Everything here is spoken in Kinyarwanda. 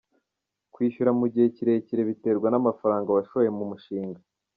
Kwishyura mu gihe kirekire biterwa n’amafaranga washoye mu mushinga”.